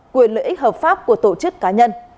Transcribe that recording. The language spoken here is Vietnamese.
quyền lợi ích hợp pháp của tổ chức cá nhân